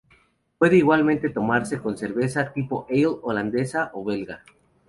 Puede igualmente tomarse con cerveza tipo ale, holandesa o belga.